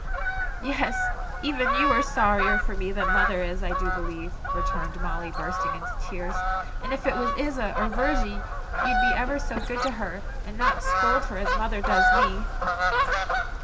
"Yes, even you are sorrier for me than mother is, I do believe!" returned Molly, bursting into tears; "and if it was Isa or Virgy you'd be ever so good to her, and not scold her as mother does me."